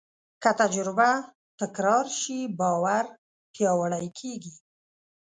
که تجربه تکرار شي، باور پیاوړی کېږي.